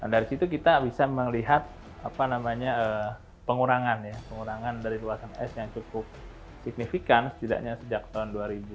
dari situ kita bisa melihat pengurangan ya pengurangan dari luasan es yang cukup signifikan setidaknya sejak tahun dua ribu